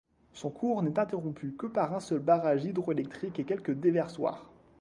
Son cours n'est interrompu que par un seul barrage hydroélectrique et quelques déversoirs.